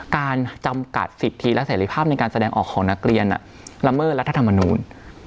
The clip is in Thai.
การจำกัดสิทธิและเสรีภาพในการแสดงออกของนักเรียนละเมิดรัฐธรรมนูล